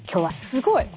すごい。